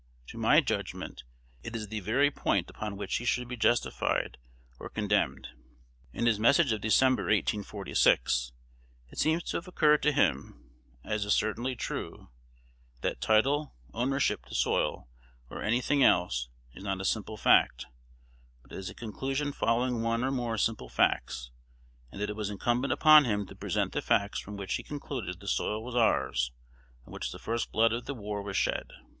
To my judgment, it is the very point upon which he should be justified or condemned. In his Message of December, 1846, it seems to have occurred to him, as is certainly true, that title, ownership to soil, or any thing else, is not a simple fact, but is a conclusion following one or more simple facts; and that it was incumbent upon him to present the facts from which he concluded the soil was ours on which the first blood of the war was shed.